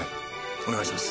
お願いします。